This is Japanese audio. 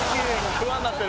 不安になってる。